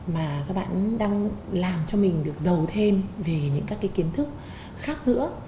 mà các bạn đang làm cho mình được giàu thêm về những kiến thức khác nữa